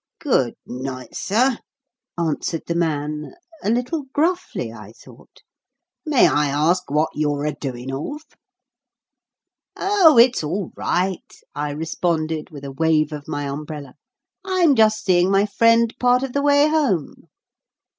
"Good night, sir," answered the man a little gruffly, I thought. "May I ask what you're a doing of?" "Oh, it's all right," I responded, with a wave of my umbrella; "I'm just seeing my friend part of the way home."